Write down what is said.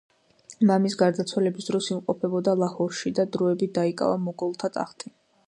მამის გარდაცვალების დროს იმყოფებოდა ლაჰორში და დროებით დაიკავა მოგოლთა ტახტი.